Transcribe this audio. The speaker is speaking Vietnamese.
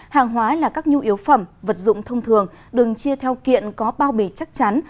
hàng hóa là các nhu yếu phẩm vật dụng thông thường đường chia theo kiện có bao bì chắc chắn